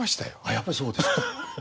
やっぱりそうですか。